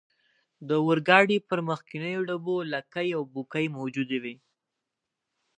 لکۍ او بوکۍ موجودې وې، د اورګاډي پر مخکنیو ډبو.